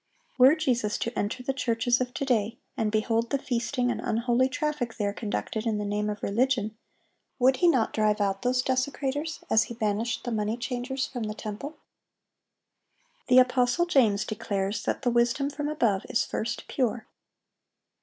Were Jesus to enter the churches of to day, and behold the feasting and unholy traffic there conducted in the name of religion, would He not drive out those desecrators, as He banished the money changers from the temple? The apostle James declares that the wisdom from above is "first pure."